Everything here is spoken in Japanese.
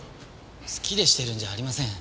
好きでしてるんじゃありません。